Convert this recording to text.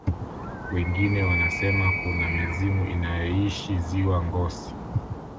wengine wanasema kuna mizimu inayoishi ziwa ngosi